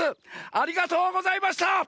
ありがとうございます。